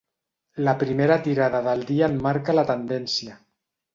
La primera tirada del dia en marca la tendència.